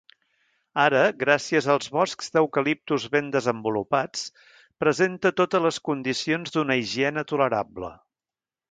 Ara, gràcies als boscs d'eucaliptus ben desenvolupats, presenta totes les condicions d'una higiene tolerable.